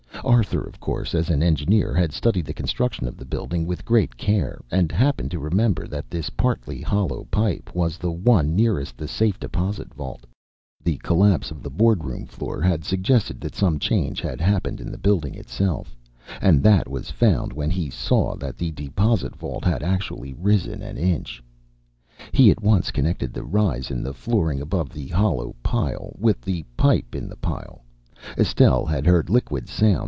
Arthur, of course, as an engineer, had studied the construction of the building with great care, and happened to remember that this partly hollow pile was the one nearest the safe deposit vault. The collapse of the board room floor had suggested that some change had happened in the building itself, and that was found when he saw that the deposit vault had actually risen an inch. He at once connected the rise in the flooring above the hollow pile with the pipe in the pile. Estelle had heard liquid sounds.